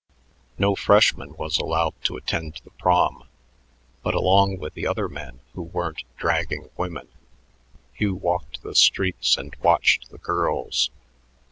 No freshman was allowed to attend the Prom, but along with the other men who weren't "dragging women" Hugh walked the streets and watched the girls.